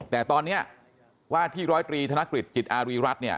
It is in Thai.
แต่ตอนนี้ว่าที่ร้อยตรีธนกฤษจิตอารีรัฐเนี่ย